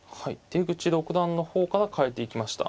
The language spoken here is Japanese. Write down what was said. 出口六段の方から変えていきました。